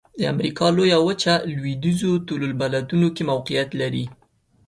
د امریکا لویه وچه لویدیځو طول البلدونو کې موقعیت لري.